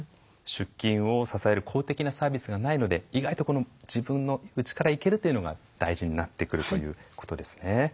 出勤を支える公的なサービスがないので意外と自分のうちから行けるというのが大事になってくるということですね。